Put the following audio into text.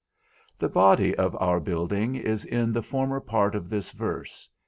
The body of our building is in the former part of this verse.